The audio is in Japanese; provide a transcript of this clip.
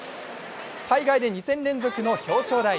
海外で２戦連続の表彰台。